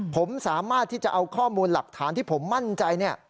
ผมสามารถที่จะเอาข้อมูลหลักฐานที่ผมมั่นใจเนี่ย